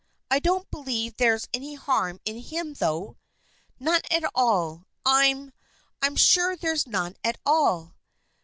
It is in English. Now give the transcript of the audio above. I don't believe there's any harm in him, though." "None at all. I'm I'm sure there's none at all."